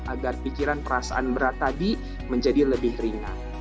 agar pikiran perasaan berat tadi menjadi lebih ringan